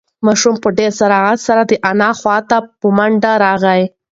ماشوم په ډېر سرعت سره د انا خواته په منډه راغی.